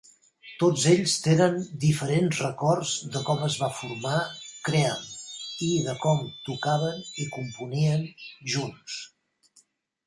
Tots ells tenen diferents records de com es va formar Cream i de com tocaven i componien junts.